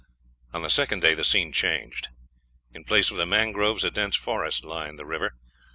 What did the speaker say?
On the second day the scenery changed. In place of the mangroves a dense forest lined the river.